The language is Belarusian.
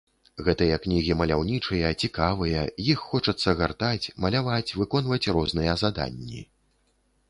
Гэтыя кнігі маляўнічыя, цікавыя, іх хочацца гартаць, маляваць выконваць розныя заданні.